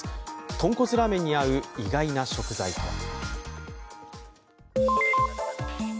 豚骨ラーメンに合う、意外な食材とは？